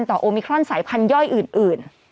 โอมิครอนสายพันธย่อยอื่น